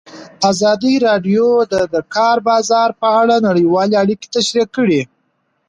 ازادي راډیو د د کار بازار په اړه نړیوالې اړیکې تشریح کړي.